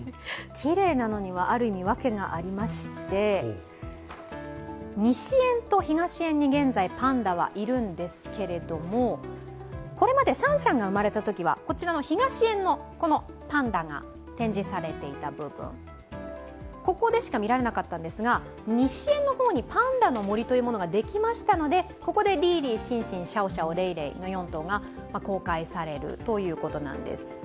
きれいなのには訳がありまして西園と東園に現在、パンダはいるんですけれどもこれまでシャンシャンが生まれたときは、東園が展示されていた部分ここでしか見られなかったんですが、西園の方にパンダのもりというのができましたのでここでリーリー、シンシン、シャオシャオ、レイレイの公開されるということなんです。